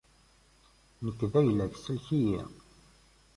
Nekk, d ayla-k, sellek-iyi!